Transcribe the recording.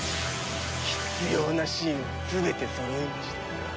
必要なシーンは全てそろいましたから。